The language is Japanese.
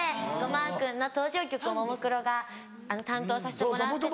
マー君の登場曲をももクロが担当させてもらってて。